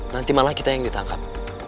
nanti malah kita yang ditangkap